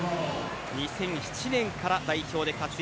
２００７年から代表で活躍。